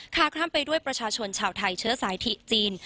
คล่ำไปด้วยประชาชนชาวไทยเชื้อสายถิจีน